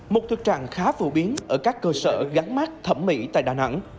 một thực trạng khá phổ biến ở các cơ sở gắn mát thẩm mỹ tại đà nẵng